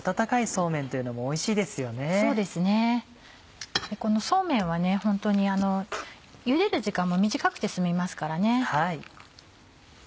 そうめんは本当にゆでる時間も短くて済みますからね。